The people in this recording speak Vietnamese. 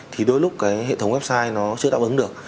thì đôi lúc cái hệ thống website nó chưa đáp ứng được